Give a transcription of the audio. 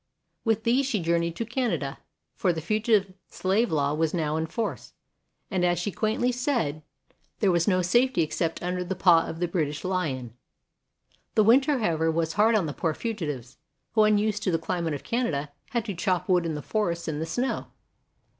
With these she journeyed to Canada, for the Fugitive Slave Law was now in force and, as she quaintly said, there was HARRIET TUBMAN 33 no safety except "under the paw of the British Lion." The winter, however, was hard on the poor fugitives, who unused to the climate of Canada, had to chop wood in the forests in the snow.